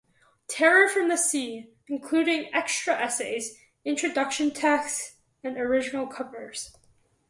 Terror from the Sea, including extra essays, introduction texts and original covers.